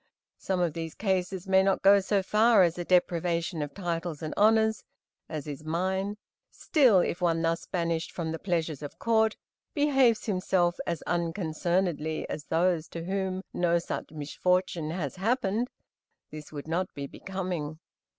Some of these cases may not go so far as a deprivation of titles and honors, as is mine; still, if one thus banished from the pleasures of Court, behaves himself as unconcernedly as those to whom no such misfortune has happened, this would not be becoming.